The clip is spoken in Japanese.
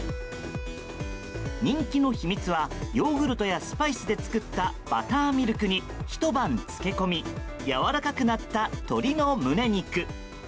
人気の秘密はヨーグルトやスパイスで作ったバターミルクにひと晩漬け込みやわらかくなった鶏の胸肉。